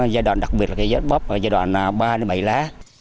giai đoạn đặc biệt là giai đoạn bóp giai đoạn ba đến bảy lá